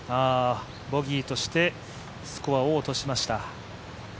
ボギーとして、スコアを落としました。